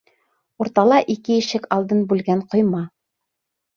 Уртала ике ишек алдын бүлгән ҡойма.